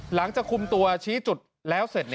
หลังจากคุมตัวชี้จุดแล้วเสร็จ